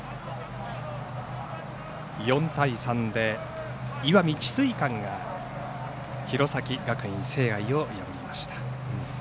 ４対３で石見智翠館が弘前学院聖愛を破りました。